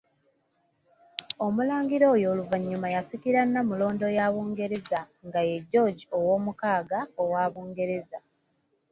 Omulangira oyo oluvannyuma yasikira Nnamulondo ya Bungereza, nga ye George VI owa Bungereza.